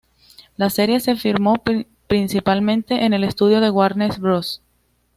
La serie se filmó principalmente en el estudio de Warner Bros.